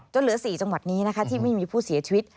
เหลือ๔จังหวัดนี้นะคะที่ไม่มีผู้เสียชีวิต